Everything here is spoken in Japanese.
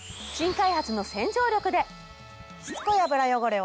新開発の洗浄力で！